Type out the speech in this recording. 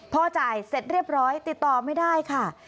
พอจ่ายเสร็จเรียบร้อยติดต่อไม่ได้ค่ะ